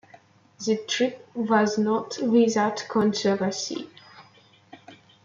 The trip was not without controversy.